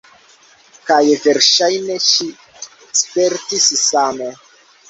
Kaj verŝajne ŝi spertis same.